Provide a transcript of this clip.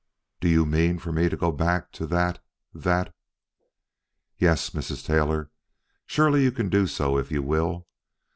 "Do you mean for me to go back to that that " "Yes, Mrs. Taylor. Surely you can do so if you will.